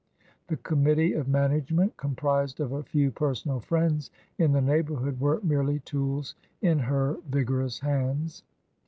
The committee of management, comprised of a few personal friends in the neighbourhood, were merely tools in her vigorous hands.